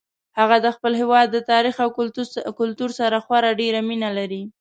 هغه د خپل هیواد د تاریخ او کلتور سره خورا ډیره مینه لري